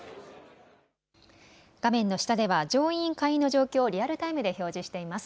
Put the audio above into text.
画面の下では上院、下院の状況をリアルタイムで表示しています。